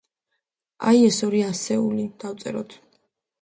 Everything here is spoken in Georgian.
აი, ეს არის ორი ასეული. დავწეროთ.